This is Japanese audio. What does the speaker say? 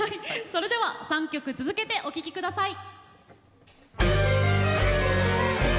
それでは３曲続けてお聴きください。